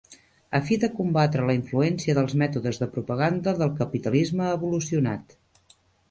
A fi de combatre la influència dels mètodes de propaganda del capitalisme evolucionat.